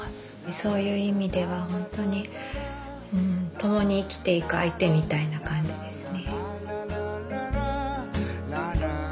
そういう意味ではほんとにともに生きていく相手みたいな感じですね。